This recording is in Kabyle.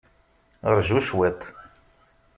Ṛju cwiṭ.